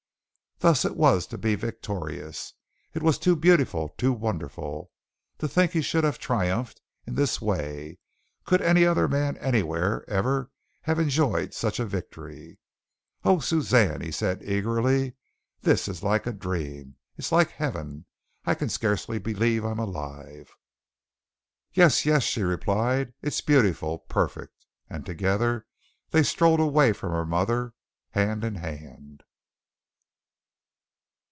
Thus it was to be victorious. It was too beautiful, too wonderful! To think he should have triumphed in this way! Could any other man anywhere ever have enjoyed such a victory? "Oh, Suzanne," he said eagerly, "this is like a dream; it's like heaven! I can scarcely believe I am alive." "Yes, yes," she replied, "it is beautiful, perfect!" And together they strolled away from her mother, hand in hand.